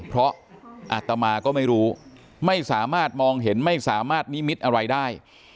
เพราะอาตมาก็ไม่รู้ไม่สามารถมองเห็นไม่สามารถนิมิตอะไรได้